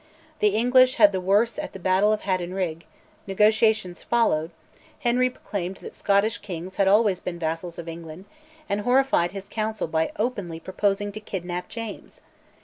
The English had the worse at the battle of Hadden Rig; negotiations followed; Henry proclaimed that Scottish kings had always been vassals of England, and horrified his Council by openly proposing to kidnap James.